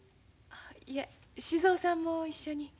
いえ静尾さんも一緒に。